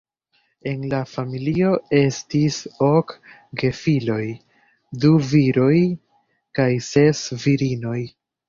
En la familio estis ok gefiloj, du viroj kaj ses virinoj.